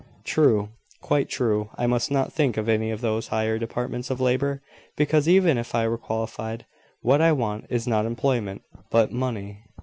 "True quite true. I must not think of any of those higher departments of labour, because, even if I were qualified, what I want is not employment, but money.